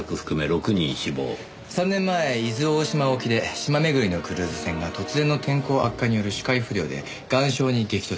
３年前伊豆大島沖で島巡りのクルーズ船が突然の天候悪化による視界不良で岩礁に激突。